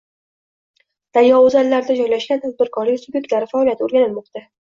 Daryo o‘zanlarida joylashgan tadbirkorlik sub’ektlari faoliyati o‘rganilmoqda